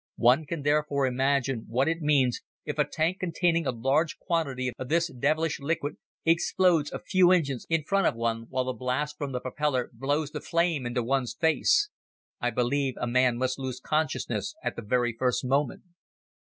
One can therefore imagine what it means if a tank containing a large quantity of this devilish liquid explodes a few inches in front of one while the blast from the propeller blows the flame into one's face. I believe a man must lose consciousness at the very first moment.